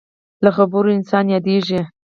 له خبرو انسان یادېږي.